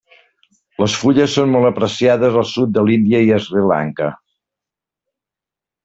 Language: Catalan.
Les fulles són molt apreciades al sud de l'Índia i Sri Lanka.